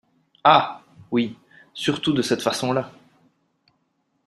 Ah ! oui, surtout de cette façon-là !